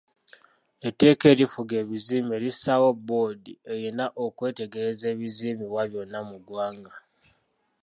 Etteeka erifuga ebizimbe lissaawo bboodi erina okwetegereza ebizimbibwa byonna mu ggwanga.